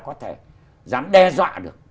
có thể dám đe dọa được